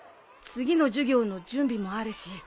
次の授業の準備もあるし。